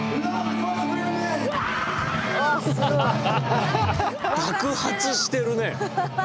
わあすごい。爆発してる！